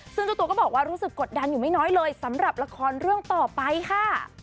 ซึ่งเจ้าตัวก็บอกว่ารู้สึกกดดันอยู่ไม่น้อยเลยสำหรับละครเรื่องต่อไปค่ะ